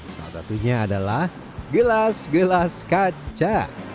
salah satunya adalah gelas gelas kaca